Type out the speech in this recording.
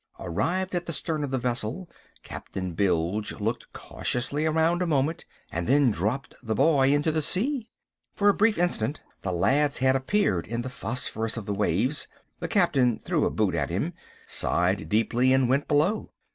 Arrived at the stern of the vessel, Captain Bilge looked cautiously around a moment and then dropped the boy into the sea. For a brief instant the lad's head appeared in the phosphorus of the waves. The Captain threw a boot at him, sighed deeply, and went below.